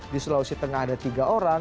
di sulawesi tengah ada tiga orang